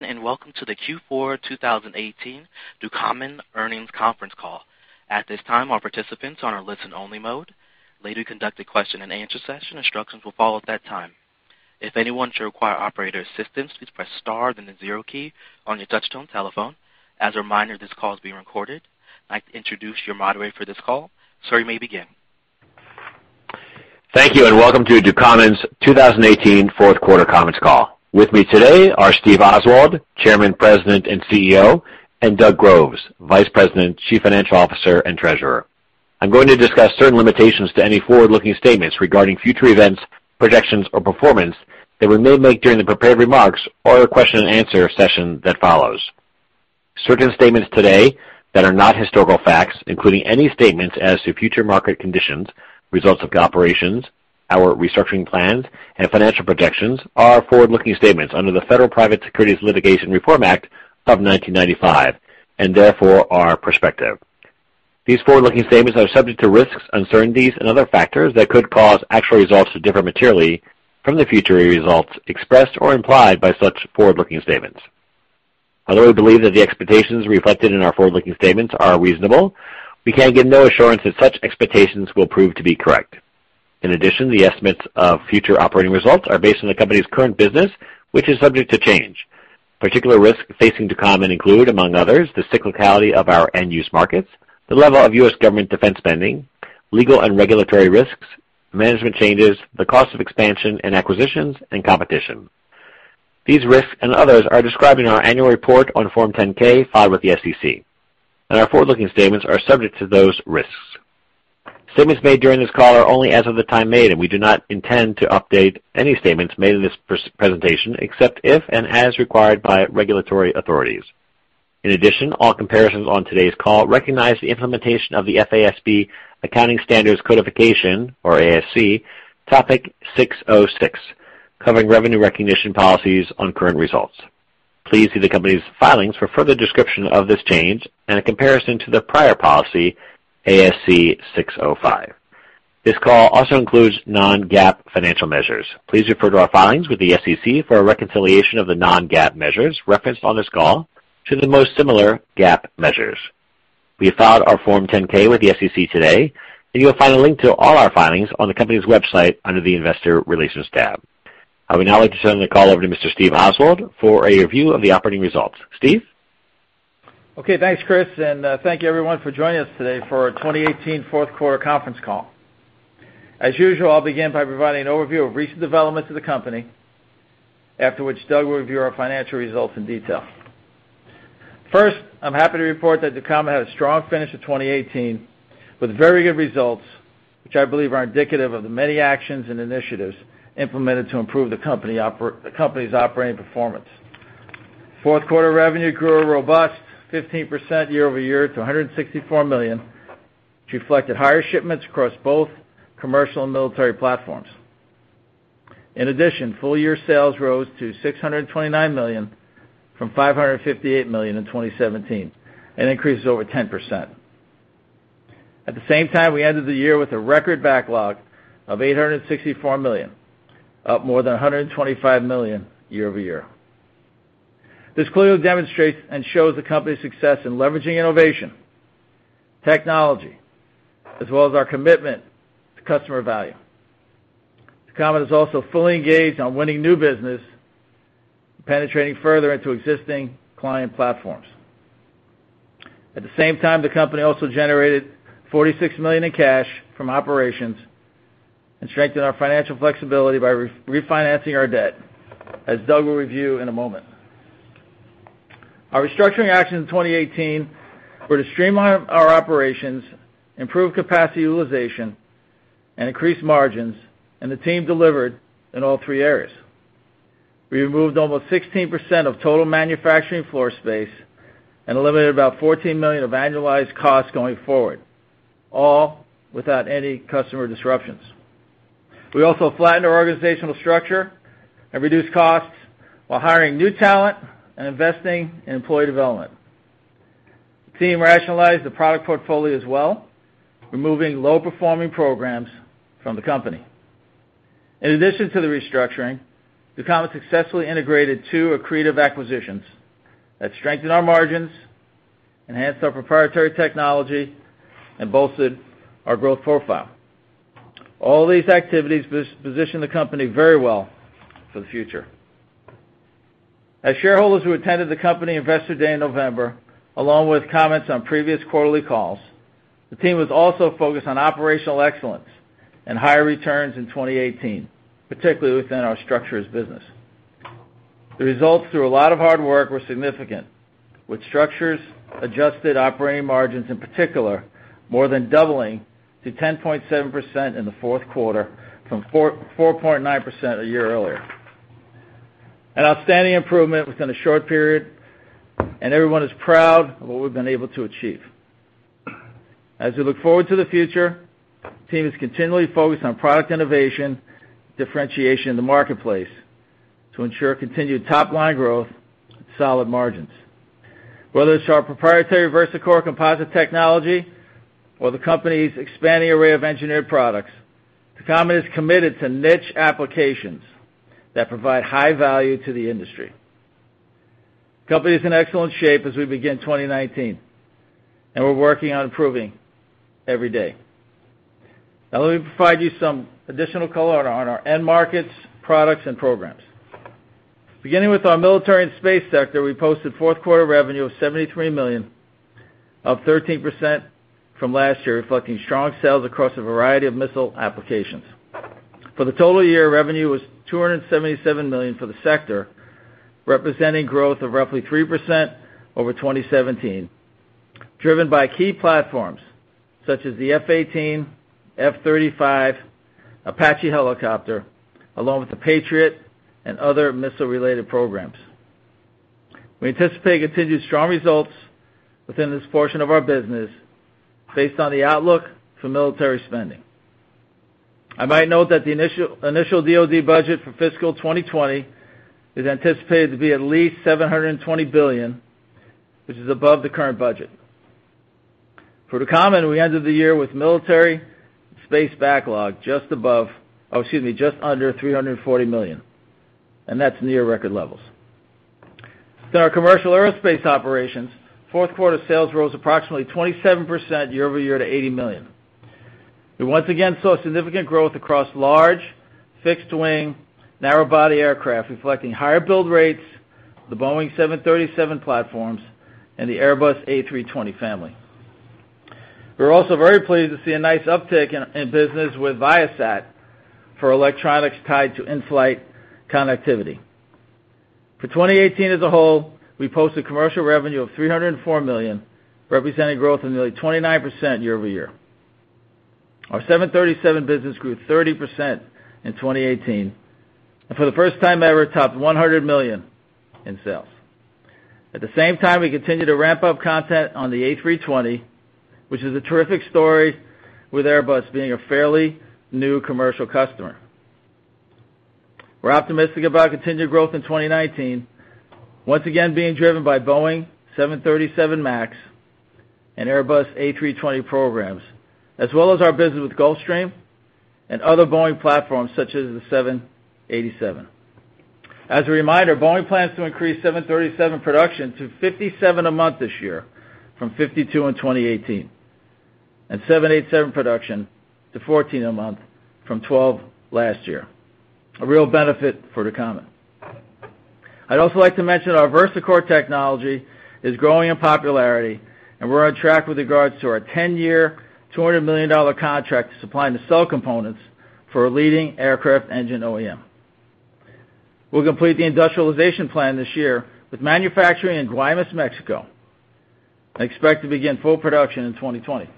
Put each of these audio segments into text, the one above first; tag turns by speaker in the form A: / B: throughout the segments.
A: Welcome to the Q4 2018 Ducommun Earnings Conference Call. At this time, all participants are on a listen-only mode. Later, we conduct a question and answer session. Instructions will follow at that time. If anyone should require operator assistance, please press star then the zero key on your touch-tone telephone. As a reminder, this call is being recorded. I'd like to introduce your moderator for this call. Sir, you may begin.
B: Thank you. Welcome to Ducommun's 2018 fourth quarter conference call. With me today are Steve Oswald, Chairman, President, and CEO, and Doug Groves, Vice President, Chief Financial Officer, and Treasurer. I'm going to discuss certain limitations to any forward-looking statements regarding future events, projections, or performance that we may make during the prepared remarks or the question and answer session that follows. Certain statements today that are not historical facts, including any statements as to future market conditions, results of operations, our restructuring plans, and financial projections, are forward-looking statements under the Private Securities Litigation Reform Act of 1995 and therefore are prospective. These forward-looking statements are subject to risks, uncertainties, and other factors that could cause actual results to differ materially from the future results expressed or implied by such forward-looking statements. Although we believe that the expectations reflected in our forward-looking statements are reasonable, we can give no assurance that such expectations will prove to be correct. In addition, the estimates of future operating results are based on the company's current business, which is subject to change. Particular risks facing Ducommun include, among others, the cyclicality of our end-use markets, the level of U.S. government defense spending, legal and regulatory risks, management changes, the cost of expansion and acquisitions, and competition. These risks and others are described in our annual report on Form 10-K filed with the SEC. Our forward-looking statements are subject to those risks. Statements made during this call are only as of the time made. We do not intend to update any statements made in this presentation, except if and as required by regulatory authorities. In addition, all comparisons on today's call recognize the implementation of the FASB Accounting Standards Codification, or ASC, Topic 606, covering revenue recognition policies on current results. Please see the company's filings for further description of this change and a comparison to the prior policy, ASC 605. This call also includes non-GAAP financial measures. Please refer to our filings with the SEC for a reconciliation of the non-GAAP measures referenced on this call to the most similar GAAP measures. We have filed our Form 10-K with the SEC today. You'll find a link to all our filings on the company's website under the Investor Relations tab. I would now like to turn the call over to Mr. Steve Oswald for a review of the operating results. Steve?
C: Okay, thanks, Chris. Thank you, everyone, for joining us today for our 2018 fourth quarter conference call. As usual, I'll begin by providing an overview of recent developments of the company. After which, Doug will review our financial results in detail. First, I'm happy to report that Ducommun had a strong finish to 2018 with very good results, which I believe are indicative of the many actions and initiatives implemented to improve the company's operating performance. Fourth quarter revenue grew a robust 15% year-over-year to $164 million, which reflected higher shipments across both commercial and military platforms. In addition, full-year sales rose to $629 million from $558 million in 2017, an increase of over 10%. At the same time, we ended the year with a record backlog of $864 million, up more than $125 million year-over-year. This clearly demonstrates and shows the company's success in leveraging innovation, technology, as well as our commitment to customer value. Ducommun is also fully engaged on winning new business and penetrating further into existing client platforms. At the same time, the company also generated $46 million in cash from operations and strengthened our financial flexibility by refinancing our debt, as Doug will review in a moment. Our restructuring actions in 2018 were to streamline our operations, improve capacity utilization, and increase margins. The team delivered in all three areas. We removed almost 16% of total manufacturing floor space and eliminated about $14 million of annualized costs going forward, all without any customer disruptions. We also flattened our organizational structure and reduced costs while hiring new talent and investing in employee development. The team rationalized the product portfolio as well, removing low-performing programs from the company. In addition to the restructuring, Ducommun successfully integrated two accretive acquisitions that strengthened our margins, enhanced our proprietary technology, and bolstered our growth profile. All these activities position the company very well for the future. As shareholders who attended the company Investor Day in November, along with comments on previous quarterly calls, the team was also focused on operational excellence and higher returns in 2018, particularly within our Structures business. The results through a lot of hard work were significant, with Structures adjusted operating margins in particular, more than doubling to 10.7% in the fourth quarter from 4.9% a year earlier. An outstanding improvement within a short period. Everyone is proud of what we've been able to achieve. As we look forward to the future, the team is continually focused on product innovation, differentiation in the marketplace to ensure continued top-line growth and solid margins. Whether it's our proprietary VersaCore composite technology or the company's expanding array of engineered products, Ducommun is committed to niche applications that provide high value to the industry. The company's in excellent shape as we begin 2019. We're working on improving every day. Now let me provide you some additional color on our end markets, products, and programs. Beginning with our military and space sector, we posted fourth quarter revenue of $73 million, up 13% from last year, reflecting strong sales across a variety of missile applications. For the total year, revenue was $277 million for the sector, representing growth of roughly 3% over 2017, driven by key platforms such as the F/A-18, F-35, AH-64 Apache, along with the Patriot and other missile-related programs. We anticipate continued strong results within this portion of our business based on the outlook for military spending. I might note that the initial DoD budget for fiscal 2020 is anticipated to be at least $720 billion, which is above the current budget. For Ducommun, we ended the year with military space backlog just under $340 million, and that's near record levels. In our commercial aerospace operations, fourth quarter sales rose approximately 27% year-over-year to $80 million. We once again saw significant growth across large, fixed wing, narrow body aircraft, reflecting higher build rates, the Boeing 737 platforms, and the Airbus A320 family. We're also very pleased to see a nice uptick in business with Viasat for electronics tied to in-flight connectivity. For 2018 as a whole, we posted commercial revenue of $304 million, representing growth of nearly 29% year-over-year. Our 737 business grew 30% in 2018, and for the first time ever, topped $100 million in sales. At the same time, we continue to ramp up content on the A320, which is a terrific story with Airbus being a fairly new commercial customer. We're optimistic about continued growth in 2019, once again being driven by Boeing 737 MAX and Airbus A320 programs, as well as our business with Gulfstream and other Boeing platforms such as the 787. As a reminder, Boeing plans to increase 737 production to 57 a month this year from 52 in 2018, and 787 production to 14 a month from 12 last year. A real benefit for Ducommun. I'd also like to mention our VersaCore technology is growing in popularity, and we're on track with regards to our 10-year, $200 million contract to supply nacelle components for a leading aircraft engine OEM. We'll complete the industrialization plan this year with manufacturing in Guaymas, Mexico, and expect to begin full production in 2020.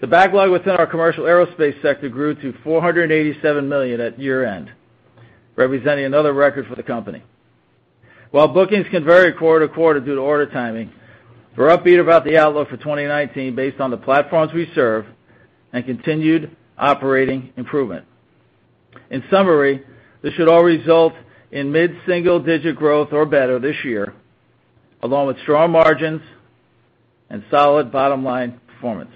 C: The backlog within our commercial aerospace sector grew to $487 million at year-end, representing another record for the company. While bookings can vary quarter-to-quarter due to order timing, we're upbeat about the outlook for 2019 based on the platforms we serve and continued operating improvement. In summary, this should all result in mid-single digit growth or better this year, along with strong margins and solid bottom-line performance.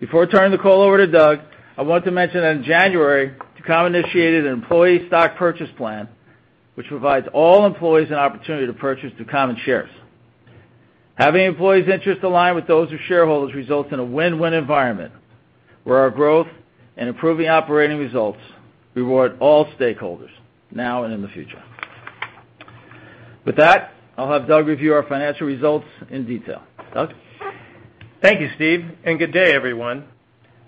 C: Before turning the call over to Doug, I want to mention that in January, Ducommun initiated an employee stock purchase plan, which provides all employees an opportunity to purchase Ducommun shares. Having employees' interest align with those of shareholders results in a win-win environment, where our growth and improving operating results reward all stakeholders now and in the future. With that, I'll have Doug review our financial results in detail. Doug?
D: Thank you, Steve, and good day, everyone.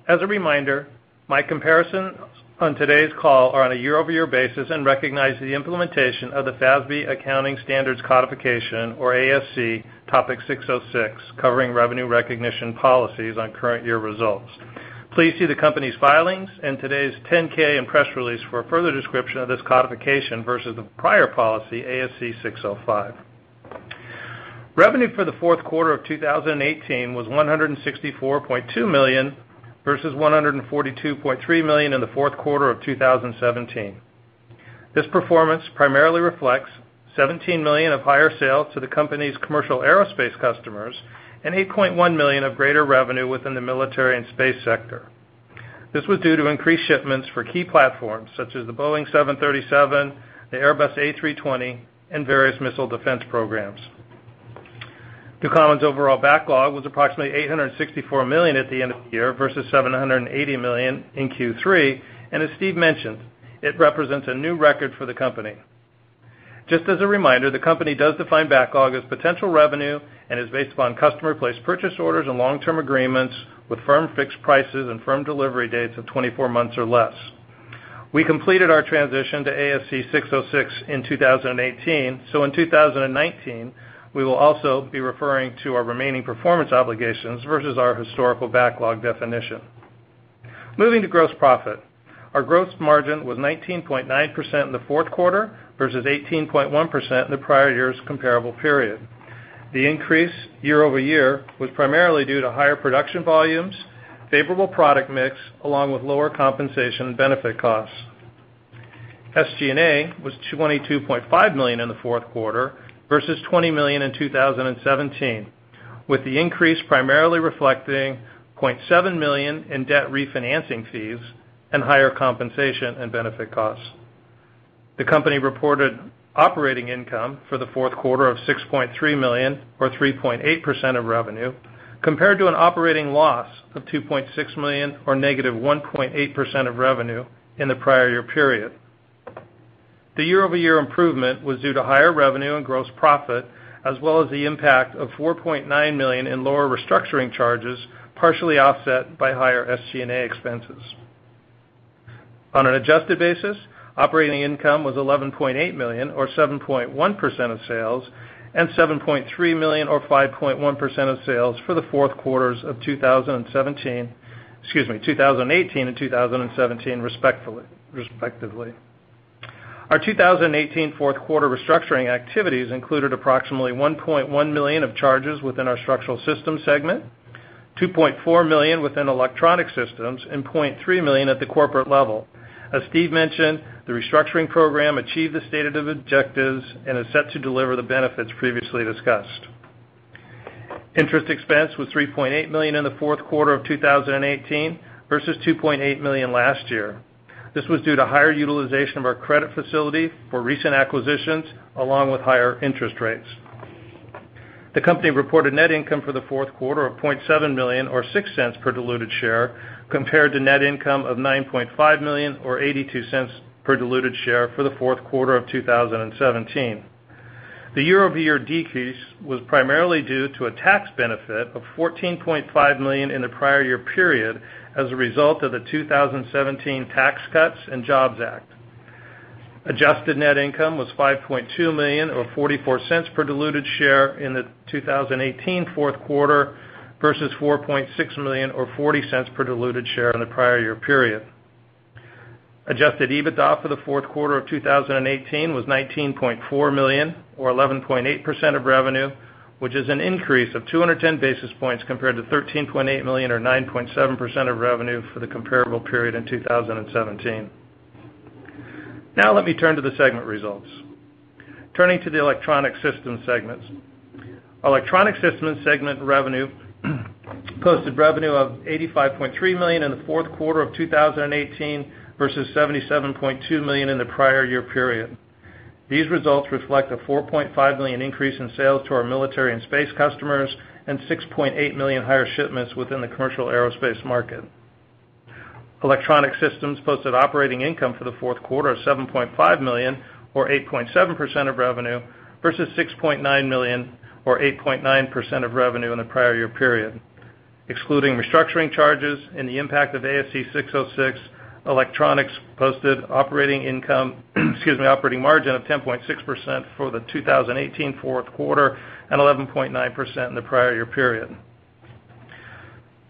D: As a reminder, my comparisons on today's call are on a year-over-year basis and recognize the implementation of the FASB accounting standards codification or ASC topic 606, covering revenue recognition policies on current year results. Please see the company's filings and today's 10-K and press release for a further description of this codification versus the prior policy, ASC 605. Revenue for the fourth quarter of 2018 was $164.2 million, versus $142.3 million in the fourth quarter of 2017. This performance primarily reflects $17 million of higher sales to the company's commercial aerospace customers and $8.1 million of greater revenue within the military and space sector. This was due to increased shipments for key platforms such as the Boeing 737, the Airbus A320, and various missile defense programs. Ducommun's overall backlog was approximately $864 million at the end of the year versus $780 million in Q3, and as Steve mentioned, it represents a new record for the company. Just as a reminder, the company does define backlog as potential revenue and is based upon customer placed purchase orders and long-term agreements with firm fixed prices and firm delivery dates of 24 months or less. We completed our transition to ASC 606 in 2018. In 2019, we will also be referring to our remaining performance obligations versus our historical backlog definition. Moving to gross profit. Our gross margin was 19.9% in the fourth quarter versus 18.1% in the prior year's comparable period. The increase year-over-year was primarily due to higher production volumes, favorable product mix, along with lower compensation and benefit costs. SG&A was $22.5 million in the fourth quarter versus $20 million in 2017, with the increase primarily reflecting $0.7 million in debt refinancing fees and higher compensation and benefit costs. The company reported operating income for the fourth quarter of $6.3 million or 3.8% of revenue, compared to an operating loss of $2.6 million or negative 1.8% of revenue in the prior year period. The year-over-year improvement was due to higher revenue and gross profit, as well as the impact of $4.9 million in lower restructuring charges, partially offset by higher SG&A expenses. On an adjusted basis, operating income was $11.8 million or 7.1% of sales and $7.3 million or 5.1% of sales for the fourth quarters of 2018 and 2017, respectively. Our 2018 fourth quarter restructuring activities included approximately $1.1 million of charges within our Structural Systems segment, $2.4 million within Electronic Systems, and $0.3 million at the corporate level. As Steve mentioned, the restructuring program achieved the stated objectives and is set to deliver the benefits previously discussed. Interest expense was $3.8 million in the fourth quarter of 2018 versus $2.8 million last year. This was due to higher utilization of our credit facility for recent acquisitions, along with higher interest rates. The company reported net income for the fourth quarter of $0.7 million or $0.06 per diluted share, compared to net income of $9.5 million or $0.82 per diluted share for the fourth quarter of 2017. The year-over-year decrease was primarily due to a tax benefit of $14.5 million in the prior year period as a result of the 2017 Tax Cuts and Jobs Act. Adjusted net income was $5.2 million or $0.44 per diluted share in the 2018 fourth quarter versus $4.6 million or $0.40 per diluted share in the prior year period. Adjusted EBITDA for the fourth quarter of 2018 was $19.4 million, or 11.8% of revenue, which is an increase of 210 basis points compared to $13.8 million or 9.7% of revenue for the comparable period in 2017. Let me turn to the segment results. Turning to the Electronic Systems segment. Electronic Systems segment revenue posted revenue of $85.3 million in the fourth quarter of 2018 versus $77.2 million in the prior year period. These results reflect a $4.5 million increase in sales to our military and space customers and $6.8 million higher shipments within the commercial aerospace market. Electronic Systems posted operating income for the fourth quarter of $7.5 million or 8.7% of revenue versus $6.9 million or 8.9% of revenue in the prior year period. Excluding restructuring charges and the impact of ASC 606, Electronics posted operating income, excuse me, operating margin of 10.6% for the 2018 fourth quarter and 11.9% in the prior year period.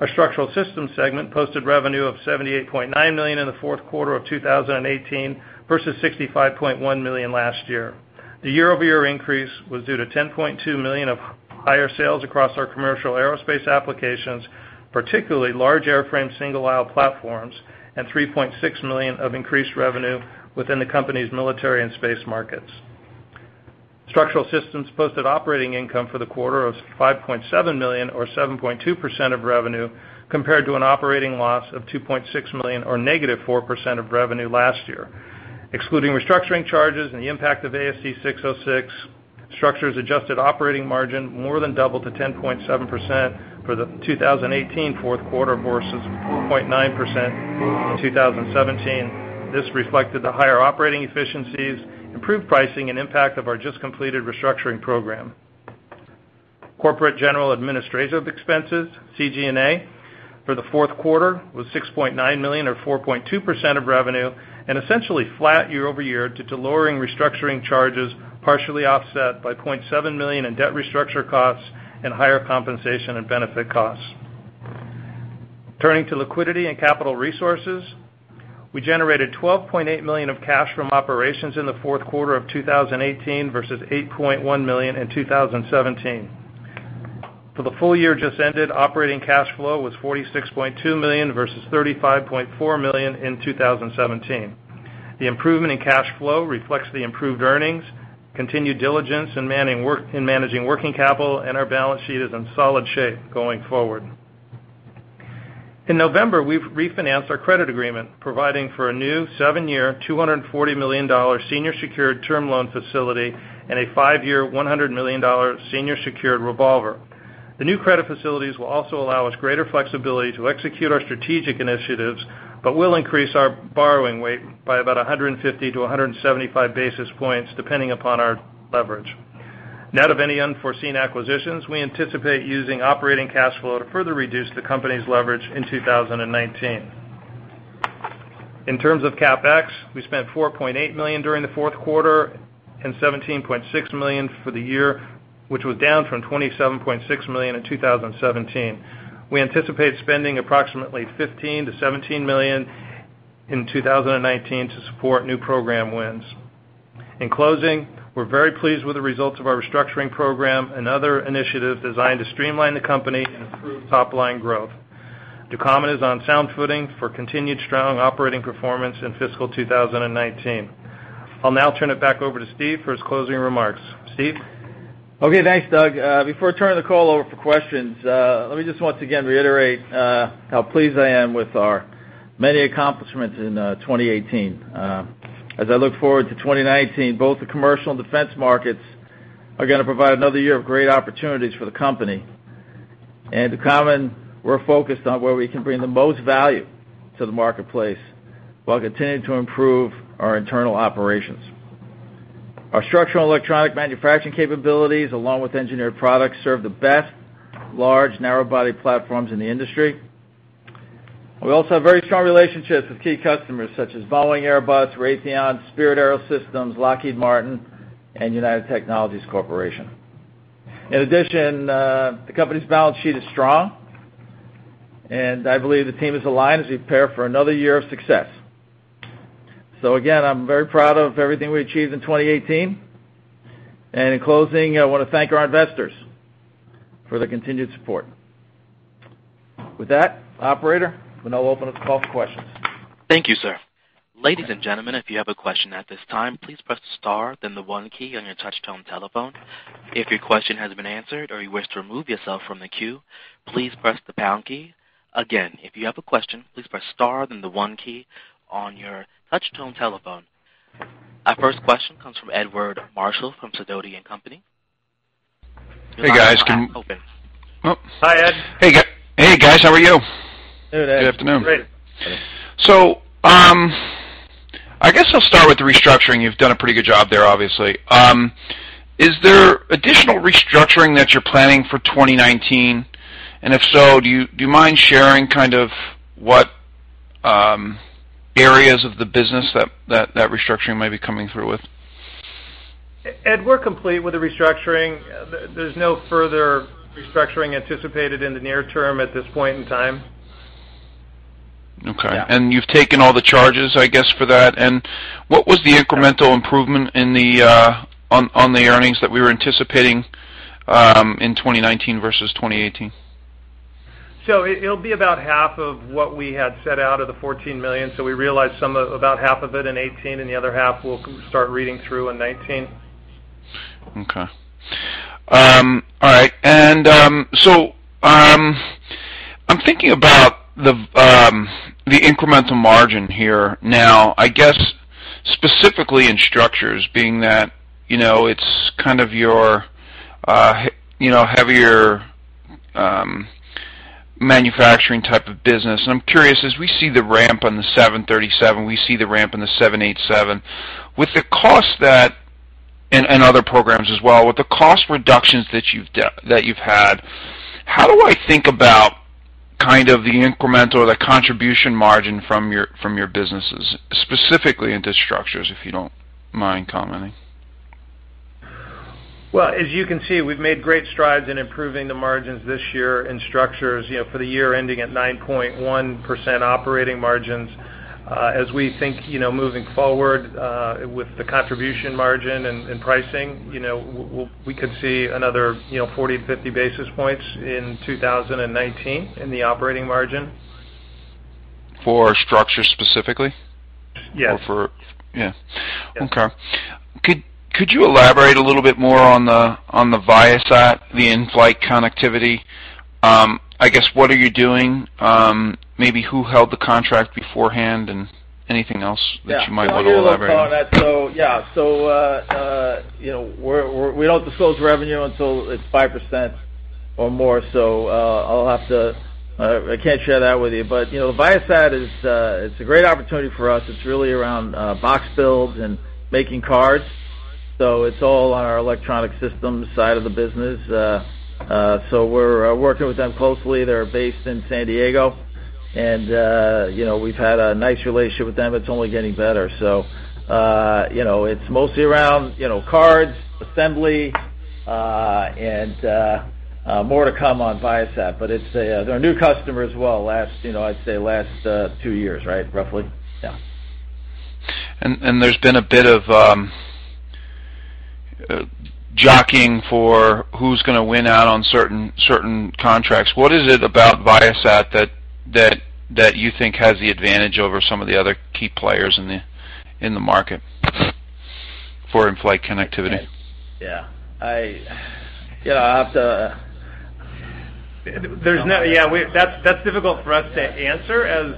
D: Our Structural Systems segment posted revenue of $78.9 million in the fourth quarter of 2018 versus $65.1 million last year. The year-over-year increase was due to $10.2 million of higher sales across our commercial aerospace applications, particularly large airframe single-aisle platforms, and $3.6 million of increased revenue within the company's military and space markets. Structural Systems posted operating income for the quarter of $5.7 million or 7.2% of revenue, compared to an operating loss of $2.6 million or negative 4% of revenue last year. Excluding restructuring charges and the impact of ASC 606, Structures' adjusted operating margin more than doubled to 10.7% for the 2018 fourth quarter versus 4.9% in 2017. This reflected the higher operating efficiencies, improved pricing, and impact of our just completed restructuring program. Corporate general administrative expenses, CG&A, for the fourth quarter was $6.9 million or 4.2% of revenue and essentially flat year-over-year due to lowering restructuring charges partially offset by $0.7 million in debt restructure costs and higher compensation and benefit costs. Turning to liquidity and capital resources, we generated $12.8 million of cash from operations in the fourth quarter of 2018 versus $8.1 million in 2017. For the full year just ended, operating cash flow was $46.2 million versus $35.4 million in 2017. The improvement in cash flow reflects the improved earnings, continued diligence in managing working capital, and our balance sheet is in solid shape going forward. In November, we refinanced our credit agreement, providing for a new seven-year, $240 million senior secured term loan facility and a five-year, $100 million senior secured revolver. The new credit facilities will also allow us greater flexibility to execute our strategic initiatives, but will increase our borrowing rate by about 150 to 175 basis points, depending upon our leverage. Net of any unforeseen acquisitions, we anticipate using operating cash flow to further reduce the company's leverage in 2019. In terms of CapEx, we spent $4.8 million during the fourth quarter and $17.6 million for the year, which was down from $27.6 million in 2017. We anticipate spending approximately $15 million to $17 million in 2019 to support new program wins. In closing, we're very pleased with the results of our restructuring program and other initiatives designed to streamline the company and improve top-line growth. Ducommun is on sound footing for continued strong operating performance in fiscal 2019. I'll now turn it back over to Steve for his closing remarks. Steve?
C: Okay. Thanks, Doug. Before turning the call over for questions, let me just once again reiterate how pleased I am with our many accomplishments in 2018. As I look forward to 2019, both the commercial and defense markets are going to provide another year of great opportunities for the company. At Ducommun, we're focused on where we can bring the most value to the marketplace while continuing to improve our internal operations. Our structural electronic manufacturing capabilities, along with engineered products, serve the best large narrow-body platforms in the industry. We also have very strong relationships with key customers such as Boeing, Airbus, Raytheon, Spirit AeroSystems, Lockheed Martin, and United Technologies Corporation. In addition, the company's balance sheet is strong, and I believe the team is aligned as we prepare for another year of success. Again, I'm very proud of everything we achieved in 2018. In closing, I want to thank our investors for their continued support. With that, operator, we'll now open up the call for questions.
A: Thank you, sir. Ladies and gentlemen, if you have a question at this time, please press star then the one key on your touch-tone telephone. If your question has been answered or you wish to remove yourself from the queue, please press the pound key. Again, if you have a question, please press star then the one key on your touch-tone telephone. Our first question comes from Edward Marshall from Sidoti & Company.
E: Hey, guys.
C: Hi, Ed.
E: Hey, guys. How are you?
D: Good, Ed.
E: Good afternoon.
D: Great.
E: I guess I'll start with the restructuring. You've done a pretty good job there, obviously. Is there additional restructuring that you're planning for 2019? If so, do you mind sharing kind of what areas of the business that restructuring may be coming through with?
D: Ed, we're complete with the restructuring. There's no further restructuring anticipated in the near term at this point in time.
E: Okay.
D: Yeah.
E: You've taken all the charges, I guess, for that. What was the incremental improvement on the earnings that we were anticipating, in 2019 versus 2018?
D: It'll be about half of what we had set out of the $14 million. We realized about half of it in 2018, and the other half will start reading through in 2019.
E: Okay. All right. I'm thinking about the incremental margin here. Now, I guess, specifically in structures being that, it's kind of your heavier manufacturing type of business, I'm curious, as we see the ramp on the 737, we see the ramp on the 787, and other programs as well. With the cost reductions that you've had, how do I think about kind of the incremental or the contribution margin from your businesses, specifically into structures, if you don't mind commenting?
D: As you can see, we've made great strides in improving the margins this year in structures, for the year ending at 9.1% operating margins. Moving forward, with the contribution margin and pricing, we could see another 40 to 50 basis points in 2019 in the operating margin.
E: For structures specifically?
D: Yes.
E: Yeah.
D: Yes.
E: Okay. Could you elaborate a little bit more on the Viasat, the in-flight connectivity? I guess, what are you doing? Maybe who held the contract beforehand and anything else that you might want to elaborate on?
C: Yeah. We don't disclose revenue until it's 5% or more. I can't share that with you. Viasat is a great opportunity for us. It's really around box builds and making cards. It's all on our Electronic Systems side of the business. We're working with them closely. They're based in San Diego, and we've had a nice relationship with them. It's only getting better. It's mostly around cards, assembly, and more to come on Viasat. They're a new customer as well, I'd say last two years, right? Roughly? Yeah.
E: There's been a bit of jockeying for who's going to win out on certain contracts. What is it about Viasat that you think has the advantage over some of the other key players in the market for in-flight connectivity?
C: Yeah.
D: That's difficult for us to answer, as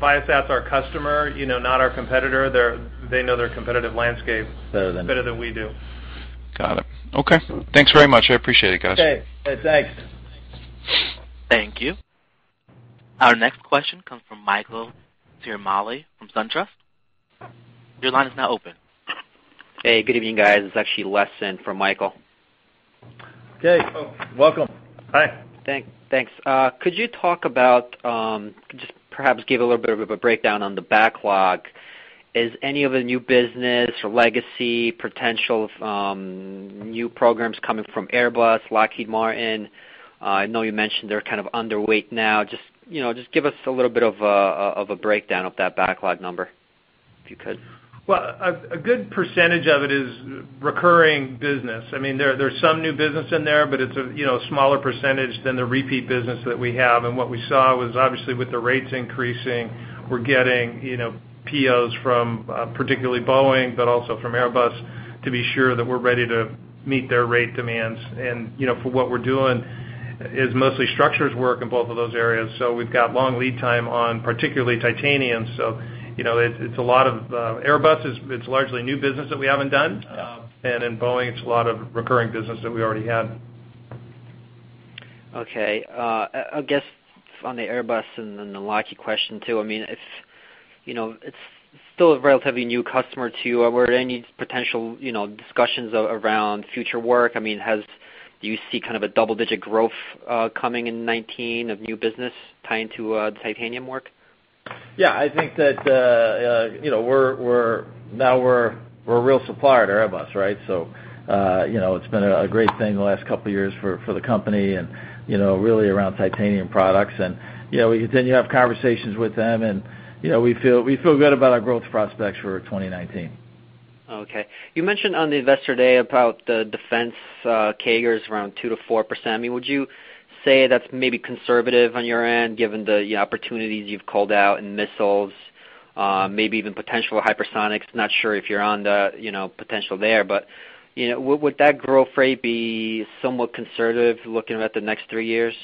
D: Viasat's our customer, not our competitor. They know their competitive landscape-
C: Better than us
D: better than we do.
E: Got it. Okay. Thanks very much. I appreciate it, guys.
C: Okay. Yeah, thanks.
A: Thank you. Our next question comes from Michael Ciarmoli from SunTrust. Your line is now open.
F: Hey, good evening, guys. It's actually Les in for Michael.
C: Okay. Welcome.
D: Hi.
F: Thanks. Could you talk about, just perhaps give a little bit of a breakdown on the backlog? Is any of the new business or legacy potential from new programs coming from Airbus, Lockheed Martin? I know you mentioned they're kind of underweight now. Just give us a little bit of a breakdown of that backlog number, if you could.
D: A good percentage of it is recurring business. There's some new business in there, but it's a smaller percentage than the repeat business that we have. What we saw was, obviously, with the rates increasing, we're getting POs from particularly Boeing, but also from Airbus to be sure that we're ready to meet their rate demands. For what we're doing is mostly structures work in both of those areas. We've got long lead time on particularly titanium. Airbus, it's largely new business that we haven't done. In Boeing, it's a lot of recurring business that we already had.
F: Okay. I guess on the Airbus and the Lockheed question, too, it's still a relatively new customer to you. Were there any potential discussions around future work? Do you see kind of a double-digit growth coming in 2019 of new business tying to the titanium work?
C: Yeah, I think that now we're a real supplier to Airbus, right? It's been a great thing the last couple of years for the company and really around titanium products. We continue to have conversations with them, and we feel good about our growth prospects for 2019.
F: Okay. You mentioned on the Investor Day about the defense CAGRs around 2%-4%. Would you say that's maybe conservative on your end, given the opportunities you've called out in missiles, maybe even potential hypersonics? Not sure if you're on the potential there, but would that growth rate be somewhat conservative looking at the next three years?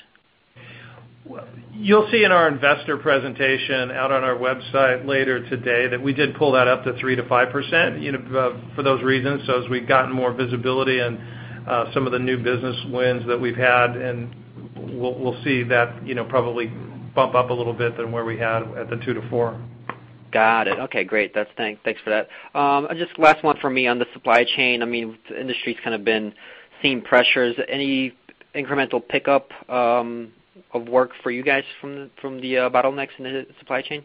D: You'll see in our investor presentation out on our website later today that we did pull that up to 3%-5% for those reasons. As we've gotten more visibility on some of the new business wins that we've had, and we'll see that probably bump up a little bit than where we had at the 2%-4%.
F: Got it. Okay, great. Thanks for that. Just last one from me on the supply chain. The industry's kind of been seeing pressures. Any incremental pickup of work for you guys from the bottlenecks in the supply chain?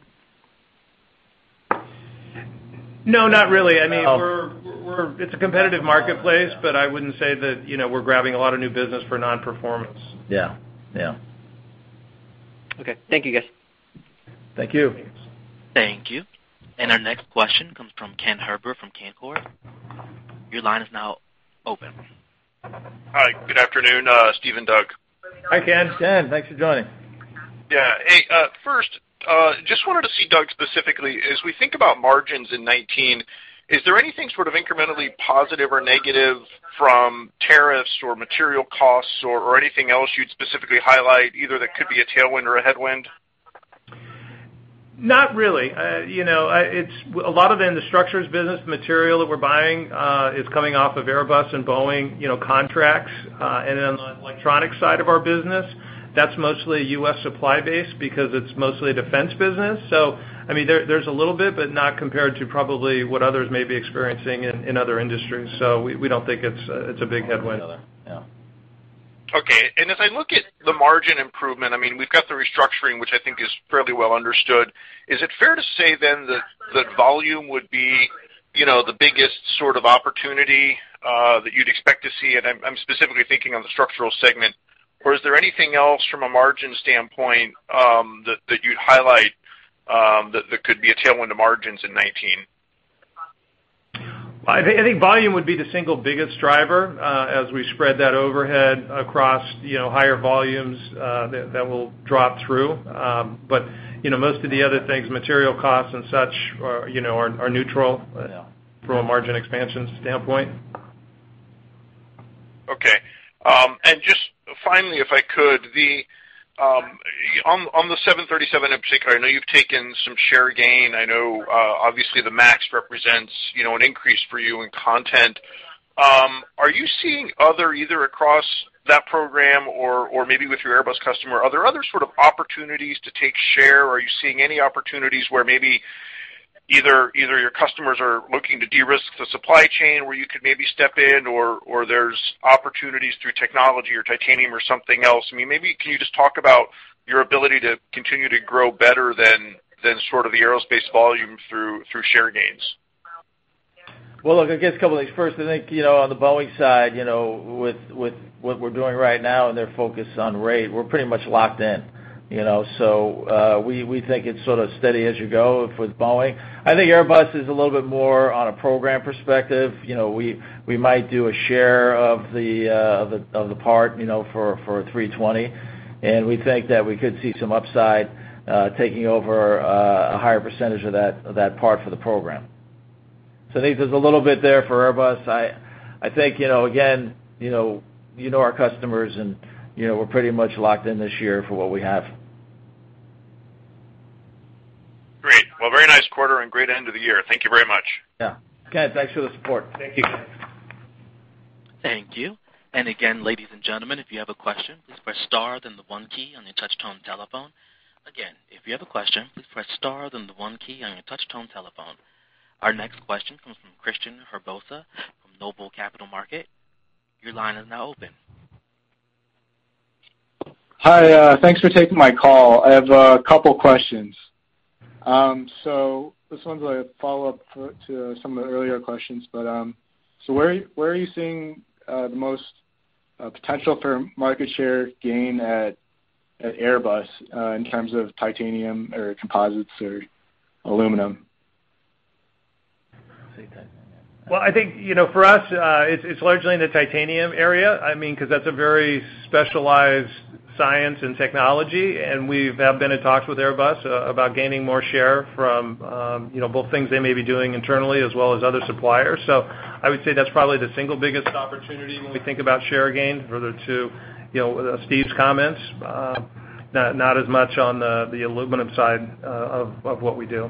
D: No, not really.
F: Oh.
D: It's a competitive marketplace, but I wouldn't say that we're grabbing a lot of new business for non-performance.
F: Yeah. Okay. Thank you, guys.
C: Thank you.
A: Thank you. Our next question comes from Ken Herbert from Canaccord. Your line is now open.
G: Hi, good afternoon, Steve and Doug.
C: Hi, Ken.
D: Ken, thanks for joining.
G: Yeah. Hey, first, just wanted to see, Doug, specifically, as we think about margins in 2019, is there anything sort of incrementally positive or negative from tariffs or material costs or anything else you'd specifically highlight, either that could be a tailwind or a headwind?
D: Not really. A lot of it in the Structural Systems business, the material that we're buying is coming off of Airbus and Boeing contracts. On the Electronic Systems side of our business, that's mostly U.S. supply base because it's mostly defense business. There's a little bit, but not compared to probably what others may be experiencing in other industries. We don't think it's a big headwind.
C: One way or another. Yeah.
G: Okay. As I look at the margin improvement, we've got the restructuring, which I think is fairly well understood. Is it fair to say then that volume would be the biggest sort of opportunity that you'd expect to see? I'm specifically thinking on the Structural Systems segment, or is there anything else from a margin standpoint that you'd highlight that could be a tailwind to margins in 2019?
D: I think volume would be the single biggest driver. As we spread that overhead across higher volumes, that will drop through. Most of the other things, material costs and such, are neutral.
C: Yeah
D: From a margin expansion standpoint.
G: Okay. Just finally, if I could, on the 737 in particular, I know you've taken some share gain. I know obviously the MAX represents an increase for you in content. Are you seeing other, either across that program or maybe with your Airbus customer, are there other sort of opportunities to take share? Are you seeing any opportunities where maybe either your customers are looking to de-risk the supply chain where you could maybe step in, or there's opportunities through technology or titanium or something else? Maybe can you just talk about your ability to continue to grow better than sort of the aerospace volume through share gains?
C: Well, look, I guess a couple of things. First, I think, on the Boeing side, with what we're doing right now and their focus on rate, we're pretty much locked in. We think it's sort of steady as you go with Boeing. I think Airbus is a little bit more on a program perspective. We might do a share of the part for 320, and we think that we could see some upside, taking over a higher percentage of that part for the program. I think there's a little bit there for Airbus. I think, again, you know our customers, and we're pretty much locked in this year for what we have.
G: Great. Well, very nice quarter and great end of the year. Thank you very much.
C: Yeah. Ken, thanks for the support.
D: Thank you, Ken.
A: Thank you. Again, ladies and gentlemen, if you have a question, please press star then the one key on your touch-tone telephone. Again, if you have a question, please press star then the one key on your touch-tone telephone. Our next question comes from Christian Herbosa from Noble Capital Markets. Your line is now open.
H: Hi, thanks for taking my call. I have a couple of questions. This one's a follow-up to some of the earlier questions. Where are you seeing the most potential for market share gain at Airbus in terms of titanium or composites or aluminum?
C: I'd say titanium.
D: Well, I think, for us, it's largely in the titanium area, because that's a very specialized science and technology, and we have been in talks with Airbus about gaining more share from both things they may be doing internally as well as other suppliers. I would say that's probably the single biggest opportunity when we think about share gain further to Steve's comments. Not as much on the aluminum side of what we do.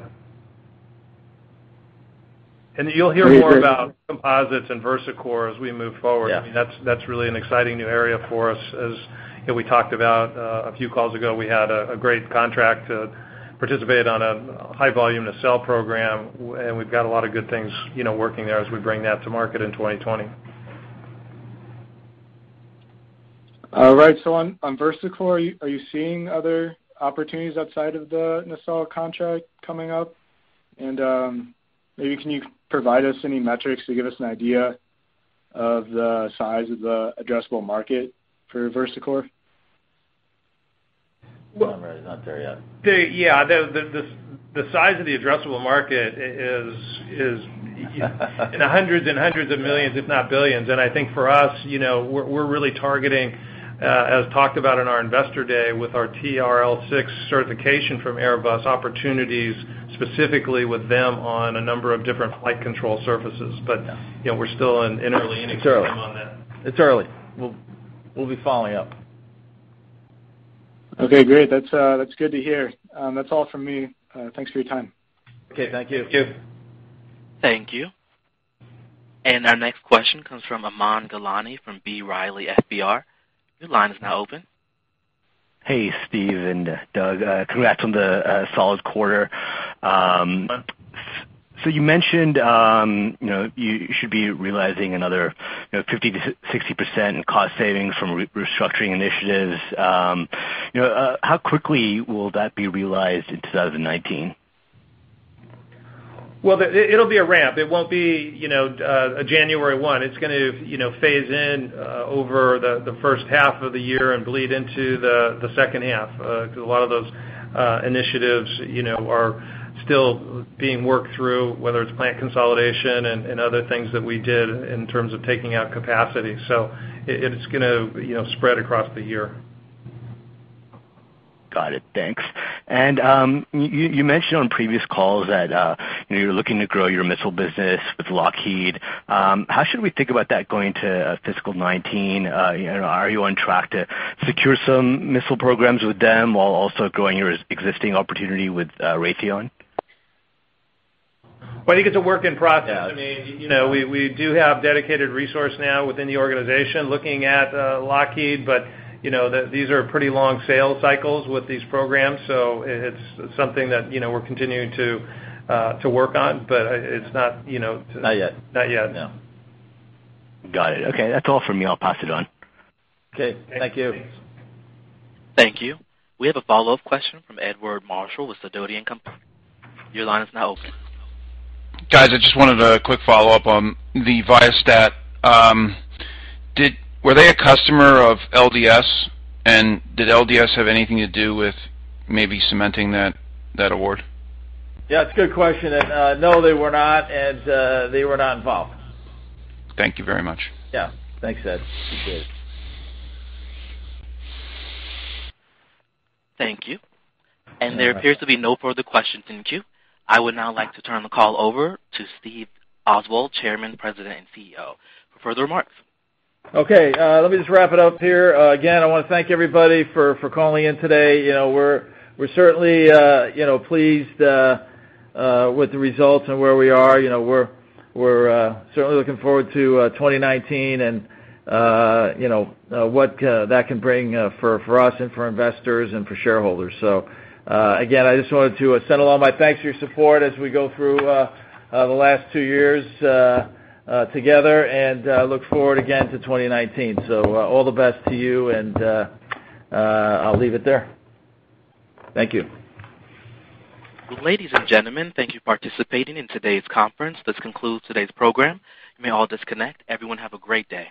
D: You'll hear more about composites and VersaCore as we move forward.
H: Yeah.
D: That's really an exciting new area for us. As we talked about a few calls ago, we had a great contract to participate on a high volume nacelle program, and we've got a lot of good things working there as we bring that to market in 2020.
H: On VersaCore, are you seeing other opportunities outside of the nacelle contract coming up? Maybe can you provide us any metrics to give us an idea of the size of the addressable market for VersaCore?
C: I'm afraid he's not there yet.
D: Yeah. The size of the addressable market is in hundreds and hundreds of millions, if not billions. I think for us, we're really targeting, as talked about in our Investor Day with our TRL 6 certification from Airbus, opportunities specifically with them on a number of different flight control surfaces. We're still in early innings.
C: It's early.
D: on that.
C: It's early. We'll be following up.
H: Okay, great. That's good to hear. That's all from me. Thanks for your time.
C: Okay, thank you.
D: Thank you.
A: Thank you. Our next question comes from Aman Gilani from B. Riley FBR. Your line is now open.
I: Hey, Steve and Doug. Congrats on the solid quarter. You mentioned you should be realizing another 50%-60% in cost savings from restructuring initiatives. How quickly will that be realized in 2019?
D: Well, it'll be a ramp. It won't be a January one. It's going to phase in over the first half of the year and bleed into the second half. A lot of those initiatives are still being worked through, whether it's plant consolidation and other things that we did in terms of taking out capacity. It's going to spread across the year.
I: Got it. Thanks. You mentioned on previous calls that you're looking to grow your missile business with Lockheed. How should we think about that going to fiscal 2019? Are you on track to secure some missile programs with them while also growing your existing opportunity with Raytheon?
D: Well, I think it's a work in progress.
C: Yeah.
D: We do have dedicated resource now within the organization looking at Lockheed, but these are pretty long sales cycles with these programs. It's something that we're continuing to work on, but it's not-
C: Not yet.
D: Not yet.
C: No.
I: Got it. Okay. That's all for me. I'll pass it on.
D: Okay. Thank you.
C: Thanks.
A: Thank you. We have a follow-up question from Edward Marshall with Sidoti & Company. Your line is now open.
E: Guys, I just wanted a quick follow-up on the Viasat. Were they a customer of LDS, and did LDS have anything to do with maybe cementing that award?
D: Yeah, it's a good question. No, they were not, and they were not involved.
E: Thank you very much.
D: Yeah. Thanks, Ed.
C: Appreciate it.
A: Thank you. There appears to be no further questions in queue. I would now like to turn the call over to Steve Oswald, Chairman, President, and CEO, for further remarks.
C: Okay. Let me just wrap it up here. Again, I want to thank everybody for calling in today. We're certainly pleased with the results and where we are. We're certainly looking forward to 2019 and what that can bring for us and for investors and for shareholders. Again, I just wanted to send along my thanks for your support as we go through the last two years together and look forward again to 2019. All the best to you, and I'll leave it there. Thank you.
A: Ladies and gentlemen, thank you for participating in today's conference. This concludes today's program. You may all disconnect. Everyone, have a great day.